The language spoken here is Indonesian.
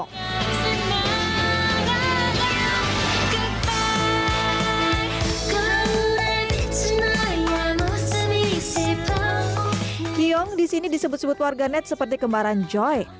kiyo disini disebut sebut warga net seperti kemaran joy